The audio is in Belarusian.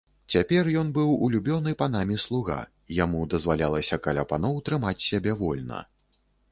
Цяпер ён быў улюбёны панамі слуга, яму дазвалялася каля паноў трымаць сябе вольна.